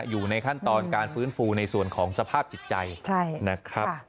อยู่ในขั้นตอนการฟื้นฟูในส่วนของสภาพจิตใจนะครับ